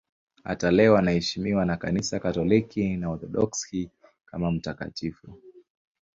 Hata leo anaheshimiwa na Kanisa Katoliki na Waorthodoksi kama mtakatifu.